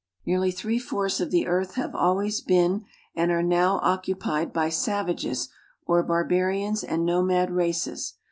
Nearly three fourths of the earth have always been and are now occu pied by savages or barbarians and nomad races.